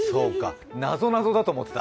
なぞなぞだと思った。